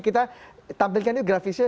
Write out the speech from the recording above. kita tampilkan nih grafisnya